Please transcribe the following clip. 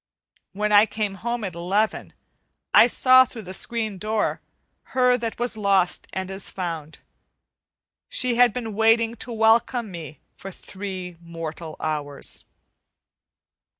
When I came home at eleven, I saw through the screen door her "that was lost and is found." She had been waiting to welcome me for three mortal hours.